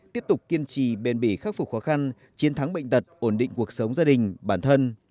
tiếp tục kiên trì bền bỉ khắc phục khó khăn chiến thắng bệnh tật ổn định cuộc sống gia đình bản thân